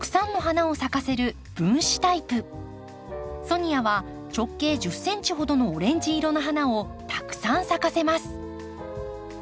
ソニアは直径１０ｃｍほどのオレンジ色の花をたくさん咲かせます。